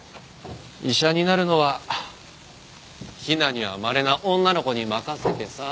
医者になるのは鄙にはまれな女の子に任せてさ。